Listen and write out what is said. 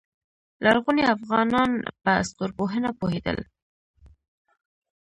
لرغوني افغانان په ستورپوهنه پوهیدل